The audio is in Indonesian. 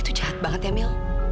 dia tuh jahat banget ya mil